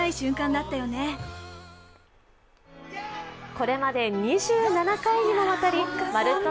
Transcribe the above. これまで２７回にもわたり、「まるっと！